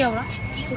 nó nhiều lắm